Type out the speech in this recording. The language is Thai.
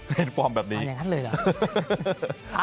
เห็นฟอร์มแบบนี้เห็นฟอร์มแบบนี้เห็นฟอร์มแบบนี้